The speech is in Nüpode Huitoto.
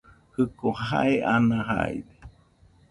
Jiko jae ana jaide.